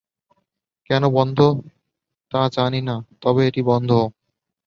কেন বন্ধ তা জানি না, তবে এটি বন্ধ।